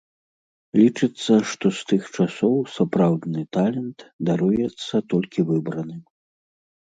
Лічыцца, што з тых часоў сапраўдны талент даруецца толькі выбраным.